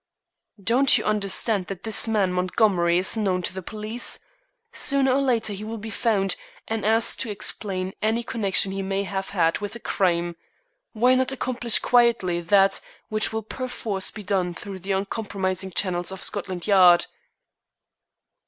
"Don't you understand that this man, Montgomery, is now known to the police. Sooner or later he will be found and asked to explain any connection he may have had with the crime. Why not accomplish quietly that which will perforce be done through the uncompromising channels of Scotland Yard?"